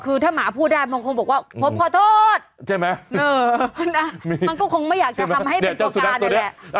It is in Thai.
คือถ้าหมาพูดได้มันคงบอกว่าผมขอโทษใช่ไหมมันก็คงไม่อยากจะทำให้เป็นตัวการนี่แหละ